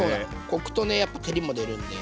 コクとねやっぱ照りも出るんで。